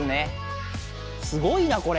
すごいなこれ。